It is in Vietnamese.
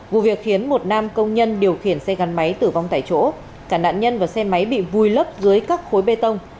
vụ việc khiến một nam công nhân điều khiển xe gắn máy tử vong tại chỗ cả nạn nhân và xe máy bị vùi lấp dưới các khối bê tông